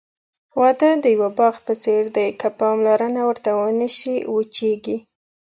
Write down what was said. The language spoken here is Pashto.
واده د یوه باغ په څېر دی، که پاملرنه ورته ونشي، وچېږي.